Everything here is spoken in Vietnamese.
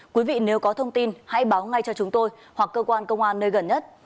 quý vị nếu có thông tin hãy báo ngay cho chúng tôi hoặc cơ quan công an nơi gần nhất